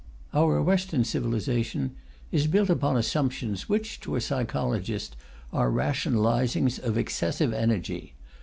Our Western civilization is built upon assumptions, which, to a psychologist, are rationalizings of excessive energy.